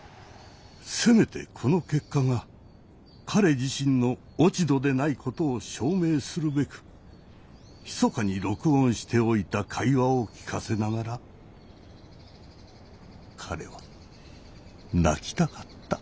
せめてこの結果が彼自身の落ち度でないことを証明するべくひそかに録音しておいた会話を聞かせながら彼は泣きたかった。